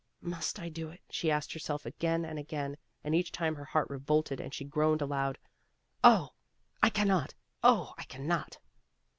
"Must I do it?" she asked herself again and again, and each time her heart revolted and she groaned aloud, "I cannot, oh, I cannot!"